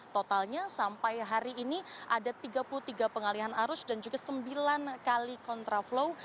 totalnya sampai hari ini ada tiga puluh tiga pengalihan arus dan juga sembilan kali kontraflow